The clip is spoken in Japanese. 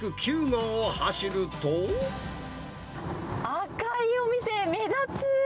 赤いお店、目立つ！